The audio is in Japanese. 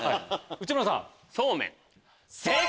内村さん。